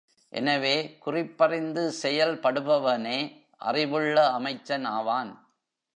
எனவே குறிப்பறிந்து செயல்படுபவனே அறிவுள்ள அமைச்சன் ஆவான்.